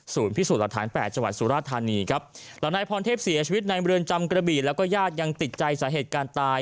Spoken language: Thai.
พิสูจน์หลักฐานแปดจังหวัดสุราธานีครับหลังนายพรเทพเสียชีวิตในเมืองจำกระบีแล้วก็ญาติยังติดใจสาเหตุการณ์ตาย